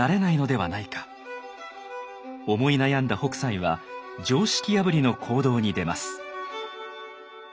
思い悩んだ北斎は常識破りの行動に出ます。